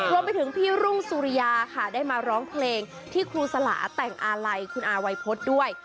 รวมไปถึงพี่รุ่งสุริยาค่ะได้มาร้องเพลงที่ครูสลาแต่งอาลัยคุณอาวัยพฤษด้วย